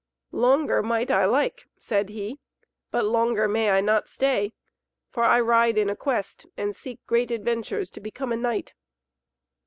"Longer might I like," said he, "but longer may I not stay, for I ride in a quest and seek great adventures to become a knight."